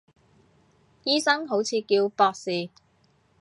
醫生好似叫博士